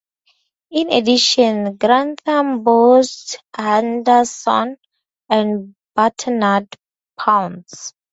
In addition Grantham boasts Anderson and Butternut ponds.